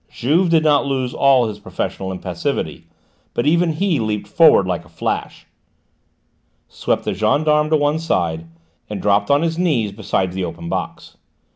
Juve did not lose all his professional impassivity, but even he leaped forward like a flash, swept the gendarme to one side, and dropped on his knees beside the open box.